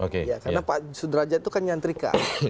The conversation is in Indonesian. karena pak sudrajat itu kan nyantrika